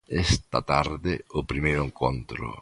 Esta tarde o primeiro encontro.